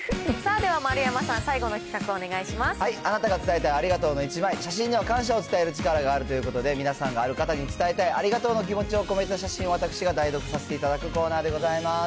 あなたが伝えたいありがとうの１枚、写真には感謝を伝える力があるということで、皆さんがある方に伝えたいありがとうの気持ちを込めた写真を私が代読させていただくコーナーでございます。